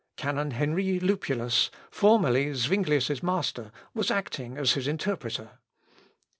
Canon Henry Lupulus, formerly Zuinglius's master, was acting as his interpreter.